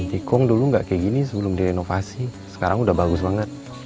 nt kong dulu gak kayak gini sebelum direnovasi sekarang udah bagus banget